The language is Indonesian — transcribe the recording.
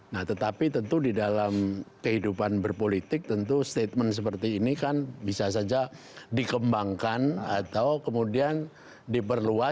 nah tetapi tentu di dalam kehidupan berpolitik tentu statement seperti ini kan bisa saja dikembangkan atau kemudian diperluas